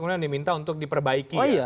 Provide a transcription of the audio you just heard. kemudian diminta untuk diperbaiki